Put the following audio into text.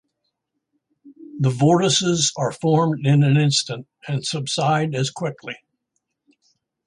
These vortices are formed in an instant and subside as quickly.